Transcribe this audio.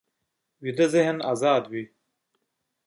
ویده ذهن ازاد وي